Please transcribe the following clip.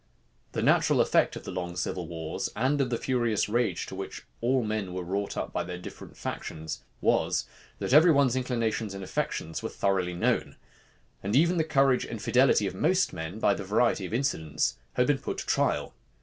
The natural effect of the long civil wars, and of the furious rage to which all men were wrought up in their different factions, was, that every one's inclinations and affections were thoroughly known; and even the courage and fidelity of most men, by the variety of incidents, had been put to trial.